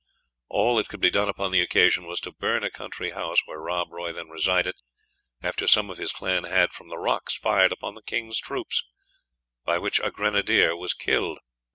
All that could be done upon the occasion was to burn a countrie house, where Rob Roy then resided, after some of his clan had, from the rocks, fired upon the king's troops, by which a grenadier was killed.